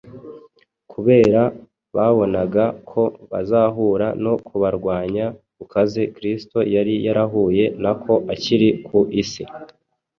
kubera babonaga ko bazahura no kubarwanya gukaze Kristo yari yarahuye nako akiri ku isi.